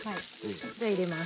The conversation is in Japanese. じゃ入れます。